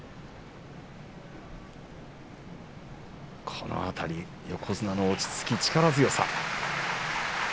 この辺り横綱の落ち着きと力強さです。